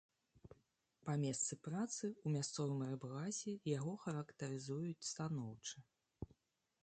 Па месцы працы, у мясцовым рыбгасе, яго характарызуюць станоўча.